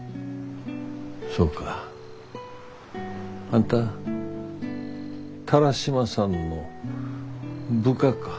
そうかあんた田良島さんの部下か。